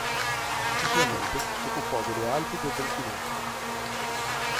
Successivamente, si occupò delle Alpi del Delfinato.